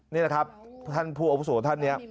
นี่แหละครับท่านภูอภูเสาท่านเนี่ย